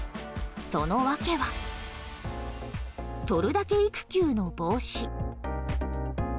その訳は、とるだけ育休の防止。